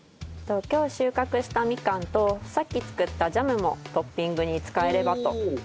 今日収穫したみかんとさっき作ったジャムもトッピングに使えればと。